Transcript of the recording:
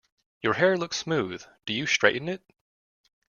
Your hair looks smooth, do you straighten it?